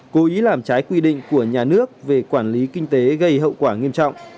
cố ý làm trái quy định của nhà nước về quản lý kinh tế gây hậu quả nghiêm trọng